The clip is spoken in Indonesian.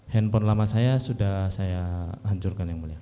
handphone lama saya sudah saya hancurkan yang mulia